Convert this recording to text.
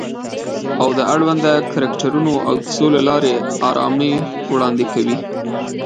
او د اړونده کرکټرونو او کیسو له لارې آرامي وړاندې کوي